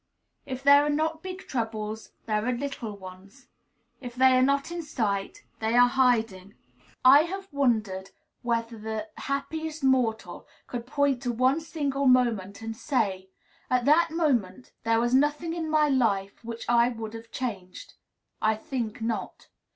If there are not big troubles, there are little ones. If they are not in sight, they are hiding. I have wondered whether the happiest mortal could point to one single moment and say, "At that moment there was nothing in my life which I would have had changed." I think not.